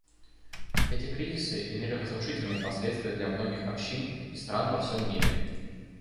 Эти кризисы имели разрушительные последствия для многих общин и стран во всем мире.